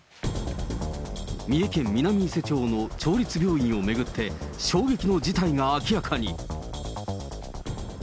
三重県南伊勢町の町立病院を巡って、衝撃の事態が明らかに。